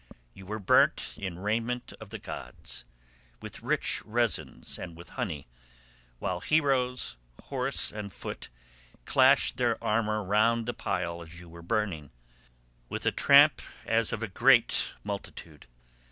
You were burnt in raiment of the gods, with rich resins and with honey, while heroes, horse and foot, clashed their armour round the pile as you were burning, with the tramp as of a great multitude.